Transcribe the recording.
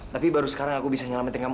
tapi baru sekarang aku bisa nyelamatin kamu